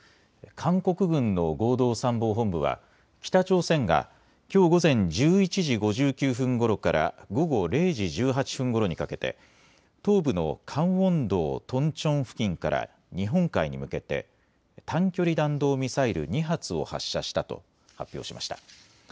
韓国軍の合同参謀本部は北朝鮮がきょう午前１１時５９分ごろから午後０時１８分ごろにかけて東部のカンウォン道トンチョン付近から日本海に向けて短距離弾道ミサイル２発を発射したと発表しました。